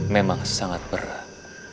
memang sangat berat